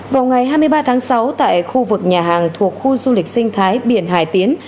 vào ngày hai mươi ba tháng sáu tại khu vực nhà hàng thuộc khu du lịch sinh thái biển hải tiến